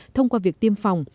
thông qua việc tiêm phòng